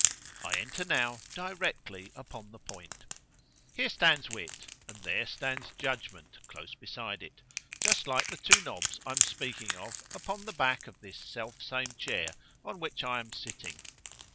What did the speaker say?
I enter now directly upon the point. —Here stands wit—and there stands judgment, close beside it, just like the two knobs I'm speaking of, upon the back of this self same chair on which I am sitting.